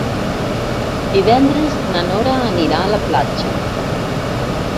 Divendres na Nora anirà a la platja.